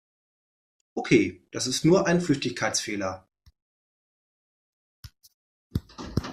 Okay, das ist nur ein Flüchtigkeitsfehler.